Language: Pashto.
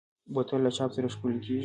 بوتل له چاپ سره ښکلي کېږي.